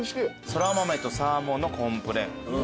そら豆とサーモンのコンプレ。